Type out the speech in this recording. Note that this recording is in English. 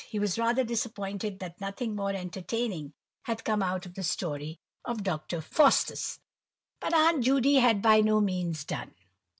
He was rather disappointed that nothing more entertaining had come out of the story of Dr. Faustus. But Aunt Judy had by no means done.